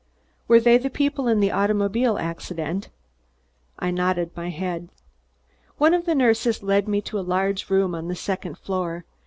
"Were they the people in the automobile accident?" I nodded my head. One of the nurses led me to a large room on the second floor.